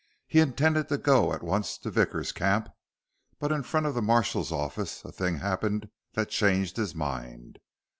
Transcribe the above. He intended to go at once to Vickers' camp; but in front of the marshal's office, a thing happened that changed his mind.